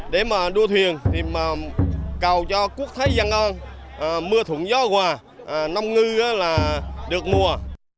để mà đua thuyền thì cầu cho quốc thái giang an mưa thủng gió quà nông ngư là được mua